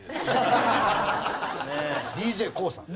ＤＪＫＯＯさん。